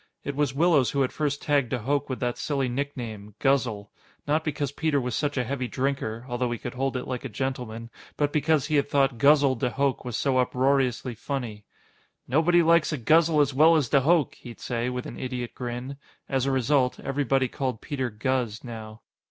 It was Willows who had first tagged de Hooch with that silly nickname, "Guzzle". Not because Peter was such a heavy drinker although he could hold it like a gentleman but because he had thought "Guzzle" de Hooch was so uproariously funny. "Nobody likes a guzzle as well as de Hooch," he'd say, with an idiot grin. As a result, everybody called Peter "Guz" now.